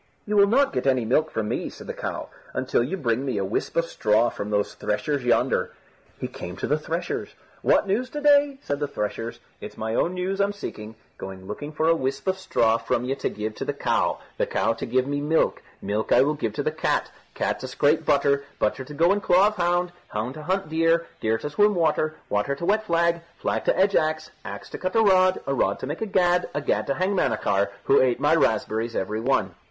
"You will not get any milk from me," said the cow, "until you bring me a whisp of straw from those threshers yonder." He came to the threshers. "What news to day?" said the threshers. "It's my own news I'm seeking. Going looking for a whisp of straw from ye to give to the cow, the cow to give me milk, milk I will give to the cat, cat to scrape butter, butter to go in claw of hound, hound to hunt deer, deer to swim water, water to wet flag, flag to edge axe, axe to cut a rod, a rod to make a gad, a gad to hang Manachar, who ate my raspberries every one."